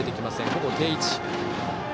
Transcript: ほぼ定位置。